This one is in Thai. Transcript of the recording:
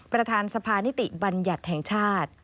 ประธานสภานิติบัญญัติแห่งชาติ